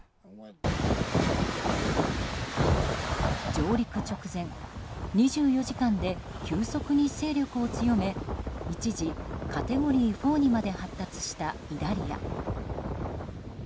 上陸直前２４時間で急速に勢力を強め一時、カテゴリー４にまで発達したイダリア。